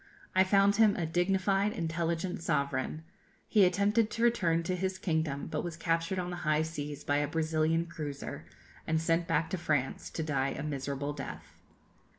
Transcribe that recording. I found him a dignified, intelligent sovereign. He attempted to return to his kingdom, but was captured on the high seas by a Brazilian cruiser, and sent back to France to die a miserable death.